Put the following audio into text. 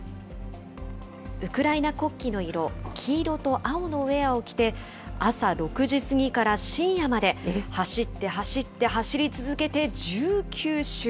ウクライナ国旗の色、黄色と青のウエアを着て、朝６時過ぎから深夜まで、走って走って走り続けて１９周。